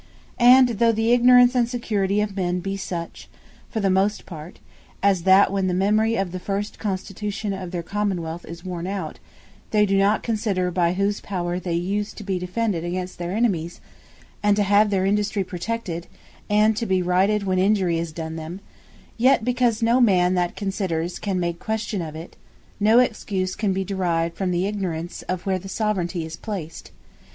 And though the ignorance, and security of men be such, for the most part, as that when the memory of the first Constitution of their Common wealth is worn out, they doe not consider, by whose power they use to be defended against their enemies, and to have their industry protected, and to be righted when injury is done them; yet because no man that considers, can make question of it, no excuse can be derived from the ignorance of where the Soveraignty is placed.